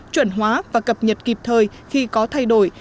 chuẩn hóa và cập nhật kịp thời khi có thay đổi